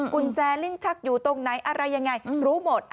กุญแจลิ้นชักอยู่ตรงไหนอะไรยังไงรู้หมด